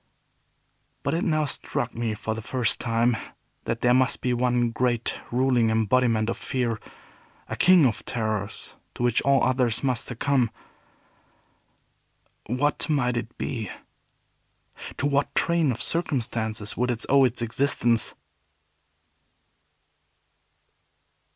But it now struck me, for the first time, that there must be one great and ruling embodiment of fear, a King of Terrors, to which all others must succumb. What might it be? To what train of circumstances would it owe its existence?